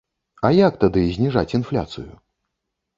А як тады зніжаць інфляцыю?